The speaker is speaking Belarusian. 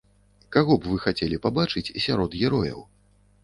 Каго б вы хацелі пабачыць сярод герояў?